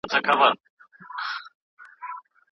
پر وزر یمه ویشتلی آشیانې چي هېر مي نه کې